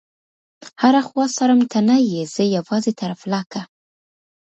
هره خوا څارم ته نه يې، زه یوازي تر افلاکه